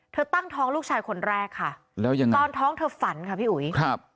ตั้งท้องลูกชายคนแรกค่ะแล้วยังไงตอนท้องเธอฝันค่ะพี่อุ๋ยครับ